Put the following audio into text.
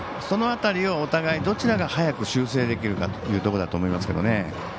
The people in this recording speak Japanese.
その辺りをお互い、どちらが早く修正できるかというところだと思いますけどね。